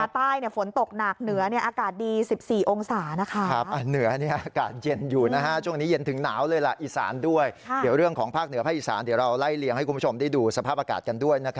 ไปค่ะนี่คุณผู้ชมส่งข้อความมา